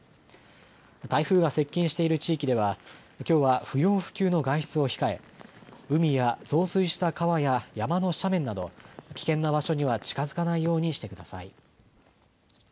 台風が接近している地域ではきょうは不要不急の外出を控え、海や増水した川や山の斜面など危険な場所には近づかないようにしてください。